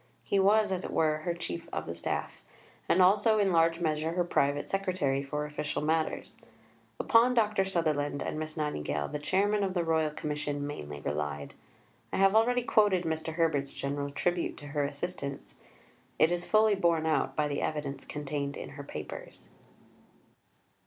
He was, as it were, her Chief of the Staff; and also in large measure her Private Secretary for official matters. Upon Dr. Sutherland and Miss Nightingale the Chairman of the Royal Commission mainly relied. I have already quoted Mr. Herbert's general tribute to her assistance (p. 312). It is fully borne out by the evidence contained in her papers.